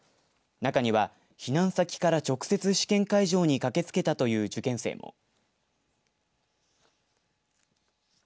中には、避難先から直接試験会場に駆けつけたという受験生も。